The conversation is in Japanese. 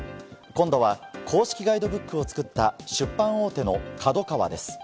今度は公式ガイドブックを作った出版大手のＫＡＤＯＫＡＷＡです。